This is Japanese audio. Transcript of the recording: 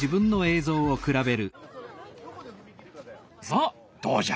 さあどうじゃ？